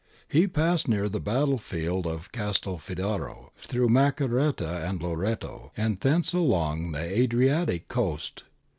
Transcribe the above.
He passed near the battle field of Castelfidardo, through Macerata and Loreto and thence along the Adriatic coast.